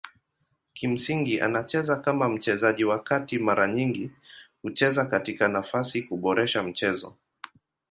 Kimsingi anacheza kama mchezaji wa kati mara nyingi kucheza katika nafasi kuboresha mchezo.